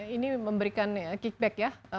ini memberikan kick back ya